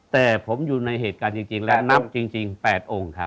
แต่ผมอยู่ในเหตุการณ์จริงและนับจริง๘องค์ครับ